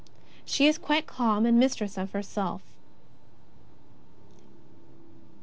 She is quite calm and mistress of herself.